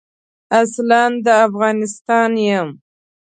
اصلاً د افغانستان یم.